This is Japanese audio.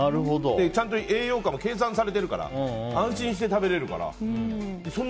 ちゃんと栄養価も計算されてるから安心して食べれるから。